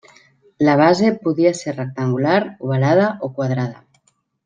La base podia ser rectangular, ovalada o quadrada.